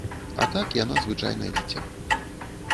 А так яна звычайнае дзіця.